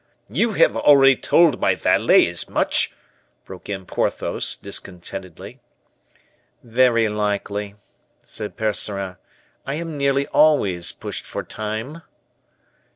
"You have already told my valet as much," broke in Porthos, discontentedly. "Very likely," said Percerin; "I am nearly always pushed for time."